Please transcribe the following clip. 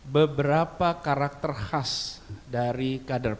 beberapa karakter khas dari kader pdi